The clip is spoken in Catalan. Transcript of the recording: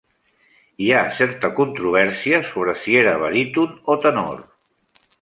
Hi ha certa controvèrsia sobre si era baríton o tenor.